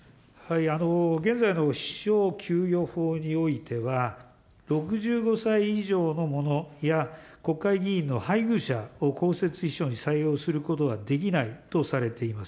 現在の給与法においては、６５歳以上の者や国会議員の配偶者の公設秘書に採用することはできないとされています。